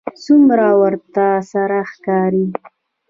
څومره ورته سره ښکاري